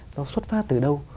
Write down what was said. nó xuất phát từ đâu